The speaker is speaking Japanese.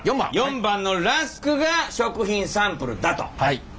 ４番のラスクが食品サンプルだと。